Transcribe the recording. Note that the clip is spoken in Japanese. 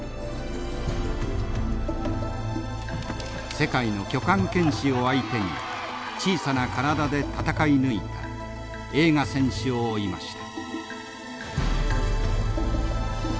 世界の巨漢剣士を相手に小さな体で戦い抜いた栄花選手を追いました。